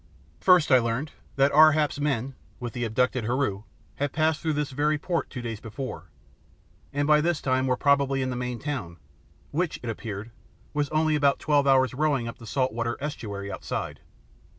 First I learned that Ar hap's men, with the abducted Heru, had passed through this very port two days before, and by this time were probably in the main town, which, it appeared, was only about twelve hours' rowing up the salt water estuary outside.